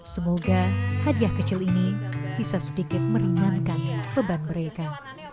semoga hadiah kecil ini bisa sedikit meringankan beban mereka